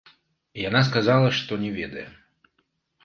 Яна сказала, што не ведае.